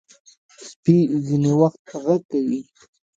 سپي ځینې وخت غږ کوي.